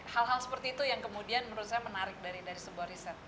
hal hal seperti itu yang kemudian menurut saya menarik dari sebuah riset